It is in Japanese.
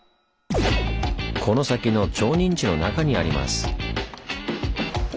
この先の町人地の中にあります。